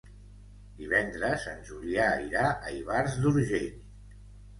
Divendres en Julià irà a Ivars d'Urgell.